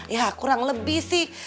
ya kurang lebih sih